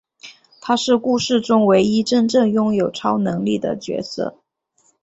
他是故事中唯一真正拥有超能力的角色。